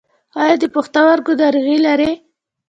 ایا د پښتورګو ناروغي لرئ؟